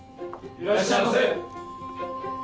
いらっしゃいませ。